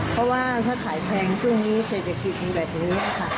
เพราะว่าถ้าขายแพงช่วงนี้เศรษฐกิจมีแบบนี้ค่ะ